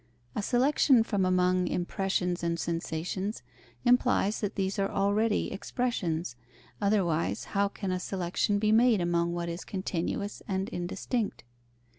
A selection from among impressions and sensations implies that these are already expressions, otherwise, how can a selection be made among what is continuous and indistinct?